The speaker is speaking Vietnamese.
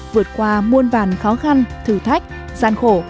vượt qua muôn vàn khó khăn thử thách gian khổ